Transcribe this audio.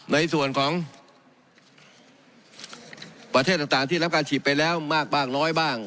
ในส่วนของประเทศต่างที่รับการฉีดไปแล้วมากบ้างน้อยบ้าง